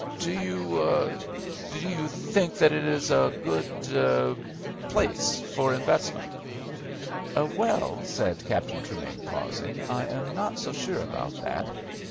Do you—do you—think that it is a good—er—place for investment?" "Well," said Captain Tremain, pausing, "I am not so sure about that.